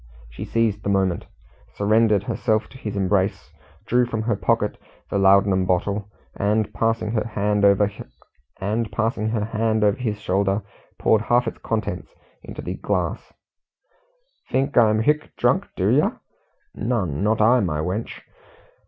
She seized the moment, surrendered herself to his embrace, drew from her pocket the laudanum bottle, and passing her hand over his shoulder, poured half its contents into the glass. "Think I'm hic drunk, do yer? Nun not I, my wench."